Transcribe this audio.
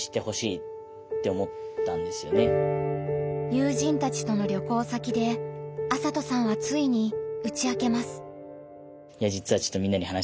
友人たちとの旅行先で麻斗さんはついに打ち明けます。